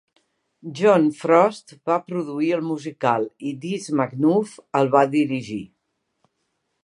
John Frost va produir el musical i Des McAnuff el va dirigir.